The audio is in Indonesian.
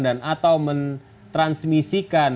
dan atau mentransmisikan